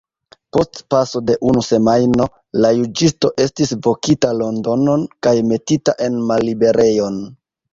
Post paso de unu semajno la juĝisto estis vokita Londonon kaj metita en malliberejon.